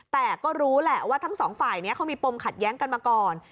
แต่ก็รู้แหละว่าทั้งสองฝ่ายนี้เขามีปมขัดแย้งกันมาก่อน